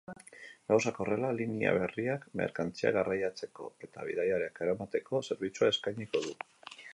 Gauzak horrela, linea berriak merkantziak garraiatzeko eta bidaiariak eramateko zerbitzua eskainiko du.